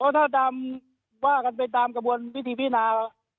บางคนบอกว่าไปตามกระบวนวิธีพินา